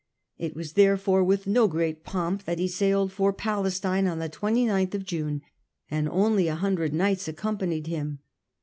It was therefore with no great pomp that he sailed for Palestine on the 29th of June, and only a hundred knights accompanied him.